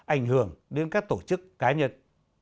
ảnh hưởng đến các tổ chức cá nhân